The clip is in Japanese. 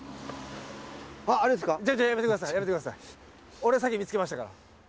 俺先見つけましたから。